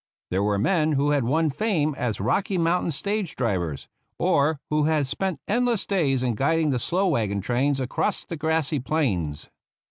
There were men who had won fame as Rocky Mountain stage drivers, or who had spent endless days in guiding the slow wagon trains across the grassy plains.